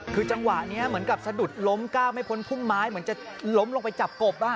คือจังหวะนี้เหมือนกับสะดุดล้มก้าวไม่พ้นพุ่มไม้เหมือนจะล้มลงไปจับกบ